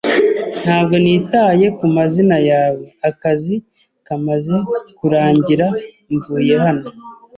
Ntabwo nitaye ku mazina yawe. Akazi kamaze kurangira, mvuye hano.